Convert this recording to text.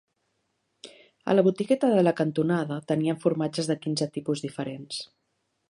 A la botigueta de la cantonada tenien formatges de quinze tipus diferents.